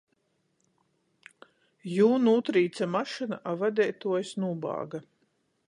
Jū nūtrīce mašyna, a vadeituojs nūbāga.